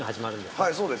◆はい、そうです。